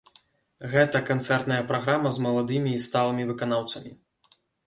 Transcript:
Гэта канцэртная праграма з маладымі і сталымі выканаўцамі.